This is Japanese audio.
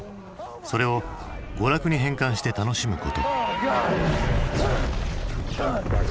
それを娯楽に変換して楽しむこと。